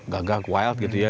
gagak wild gitu ya